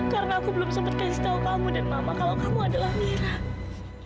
karena aku belum seperti setahu kamu dan mama kalau kamu adalah nira